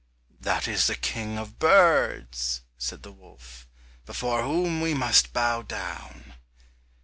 "That is the King of birds," said the wolf, "before whom we must bow down."